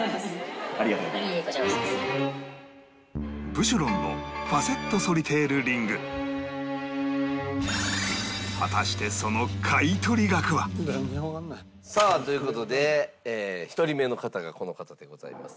ブシュロンのファセットソリテールリングさあという事で１人目の方がこの方でございます。